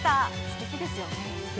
すてきですよね。